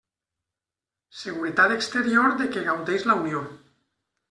Seguretat exterior de què gaudeix la Unió.